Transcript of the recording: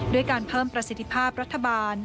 ด้วยการเพิ่มประสิทธิภาพรัฐบาล